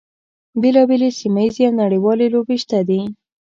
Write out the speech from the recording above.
بیلا بېلې سیمه ییزې او نړیوالې لوبې شته دي.